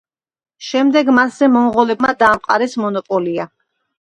შემდეგ მასზე მონღოლებმა დაამყარეს მონოპოლია.